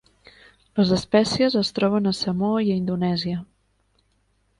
Les espècies es troben a Samoa i a Indonèsia.